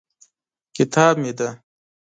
کتاب مې دی.